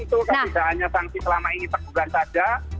tidak hanya sanksi selama ini tergugat saja